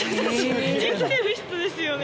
生きてる人ですよね？